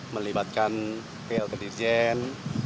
melibatkan pl kedirjen